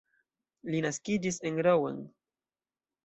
Li naskiĝis en Rouen.